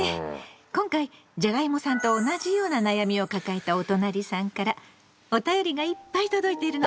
今回じゃがいもさんと同じような悩みを抱えたおとなりさんからおたよりがいっぱい届いてるの。